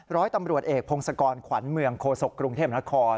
ร้อยตำรวจเอกพงศกรขวัญเมืองโคศกสบค